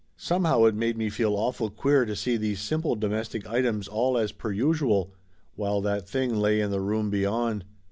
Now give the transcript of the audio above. Somehow it made me feel awful queer to see these simple domestic items all as per usual while that thing lay in the room beyond.